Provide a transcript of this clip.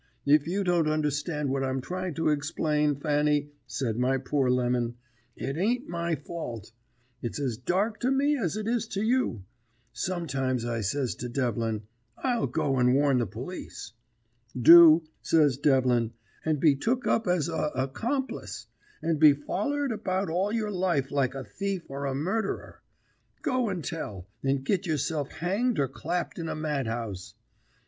If you don't understand what I'm trying to egsplain, Fanny,' said my poor Lemon, 'it ain't my fault; it's as dark to me as it is to you. Sometimes I says to Devlin, "I'll go and warn the police." "Do," says Devlin, "and be took up as a accomplice, and be follered about all your life like a thief or a murderer. Go and tell, and git yourself hanged or clapped in a madhouse."